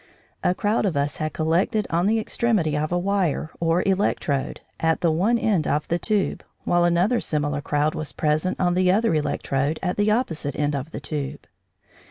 A crowd of us had collected on the extremity of a wire, or "electrode," at the one end of the tube, while another similar crowd was present on the other electrode at the opposite end of the tube.